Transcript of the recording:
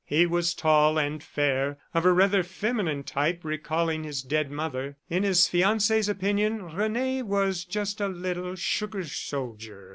He was tall and fair, of a rather feminine type recalling his dead mother. In his fiancee's opinion, Rene was just "a little sugar soldier."